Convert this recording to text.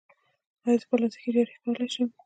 ایا زه پلاستیکي جراحي کولی شم؟